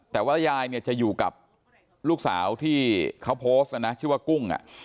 แต่ว่ายายเนี่ยจะอยู่กับลูกสาวที่เขาโพสต์นะชื่อว่ากุ้ง